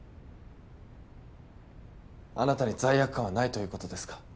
あなたに罪悪感はないということですか。